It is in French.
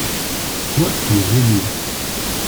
Toi, tu es aimé.